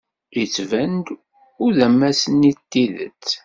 Yettban-d udamas-nni n tidet.